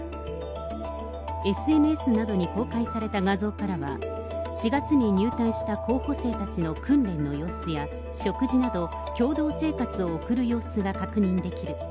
ＳＮＳなどに公開された画像からは、４月に入隊した候補生の訓練の様子や、食事など、共同生活を送る様子が確認できる。